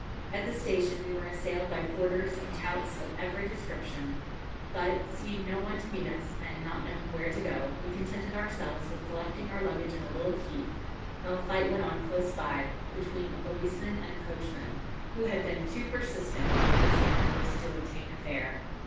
At the station we were assailed by porters and touts of every description, but, seeing no one to meet us, and not knowing where to go, we contented ourselves with collecting our luggage in a little heap, while a fight went on close by between a policeman and a coachman, who had been too persistent in his endeavours to obtain a fare.